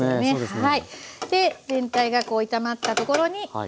はい。